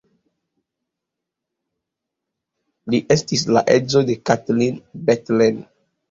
Li estis la edzo de Katalin Bethlen.